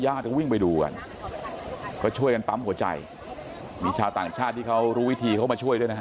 วิ่งไปดูกันก็ช่วยกันปั๊มหัวใจมีชาวต่างชาติที่เขารู้วิธีเขามาช่วยด้วยนะฮะ